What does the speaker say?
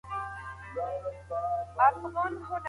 ځواني مرګ دي سم چي نه به در جارېږم